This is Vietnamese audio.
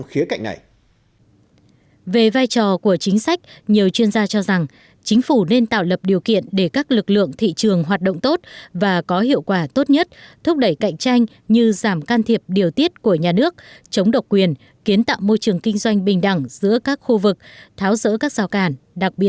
hôm nay thì có con số chính xác về sự tham gia của các doanh nghiệp vừa tham gia vào các chuỗi giá trị